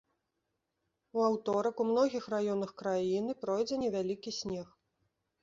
У аўторак у многіх раёнах краіны пройдзе невялікі снег.